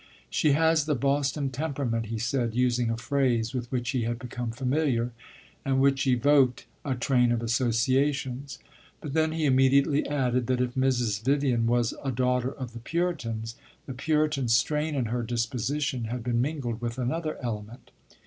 "She has the Boston temperament," he said, using a phrase with which he had become familiar and which evoked a train of associations. But then he immediately added that if Mrs. Vivian was a daughter of the Puritans, the Puritan strain in her disposition had been mingled with another element.